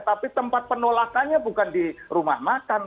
tapi tempat penolakannya bukan di rumah makan